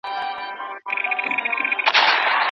له زاهده څخه هېر سي منترونه